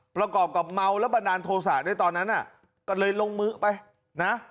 ประกอบกับเมาแล้วบันดาลโทษะในตอนนั้นน่ะก็เลยลงมือไปนะ